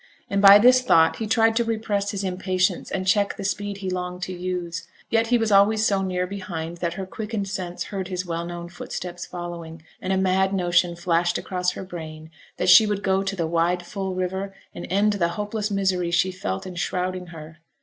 And by this thought he tried to repress his impatience and check the speed he longed to use; yet he was always so near behind that her quickened sense heard his well known footsteps following, and a mad notion flashed across her brain that she would go to the wide full river, and end the hopeless misery she felt enshrouding her.